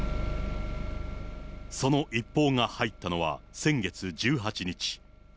その一報が入ったのは先月１８日。